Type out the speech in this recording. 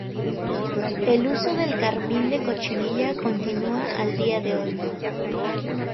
El uso del carmín de cochinilla continúa al día de hoy.